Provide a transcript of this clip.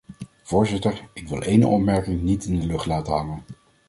Voorzitter, ik wil één opmerking niet in de lucht laten hangen.